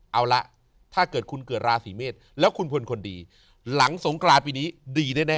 เอาละถ้าเกิดคุณเกิดราศีเมษแล้วคุณเป็นคนดีหลังสงกรานปีนี้ดีแน่